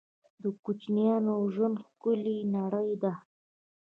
د کوچنیانو ژوند ښکلې نړۍ ده